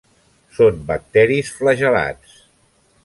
Són bacteris flagel·lats.